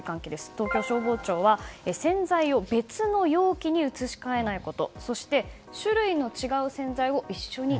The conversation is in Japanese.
東京消防庁は洗剤を別の容器に移し替えないこと。